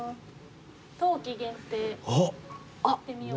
冬季限定いってみよう。